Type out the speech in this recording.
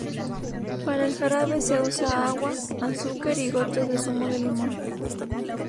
Para el jarabe se usa agua, azúcar y gotas de zumo de limón.